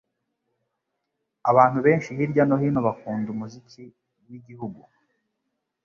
Abantu benshi hirya no hino bakunda umuziki wigihugu.